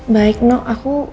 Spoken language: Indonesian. baik no aku